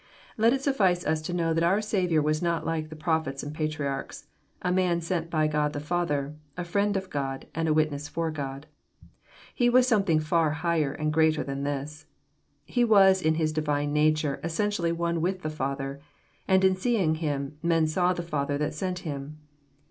Let it suffice us to know that our Saviour was not like the prophets and patriarchs, a man sent by God the Father, a friend of God, and a wit ness for God. He was something far higher and greater than this. He was in His Divine nature essentially one with the Father : and in seeing Him, men saw the Father that sent Him.